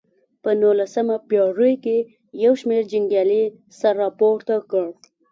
په نولسمه پېړۍ کې یو مشهور جنګیالي سر راپورته کړ.